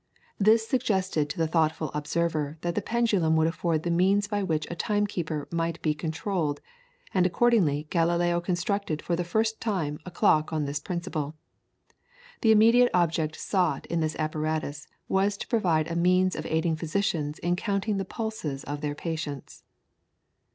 This suggested to the thoughtful observer that a pendulum would afford the means by which a time keeper might be controlled, and accordingly Galileo constructed for the first time a clock on this principle. The immediate object sought in this apparatus was to provide a means of aiding physicians in counting the pulses of their patients.